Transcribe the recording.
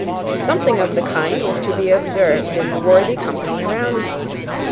Something of the kind was to be observed in the worthy company around me.